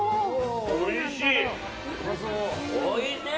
おいしい！